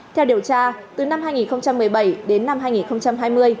theo điều tra từ năm hai nghìn một mươi bảy đến năm hai nghìn hai mươi